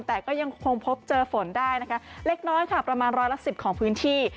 แต่ก็ยังคงพบเจอฝนได้นะคะเล็กน้อยค่ะประมาณร้อยละสิบของพื้นที่